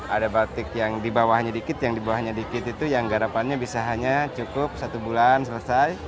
ada batik yang dibawahnya dikit yang dibawahnya dikit itu yang garapannya bisa hanya cukup satu bulan selesai